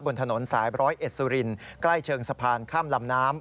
บนถนนสาย๑๐๑สุรินใกล้เชิงสะพานข้ามลำน้ำ